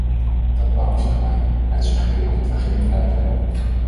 Dat beangstigt mij, het suggereert dat we geen beleid hebben.